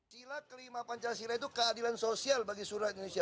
sila kelima pancasila itu keadilan sosial bagi surat indonesia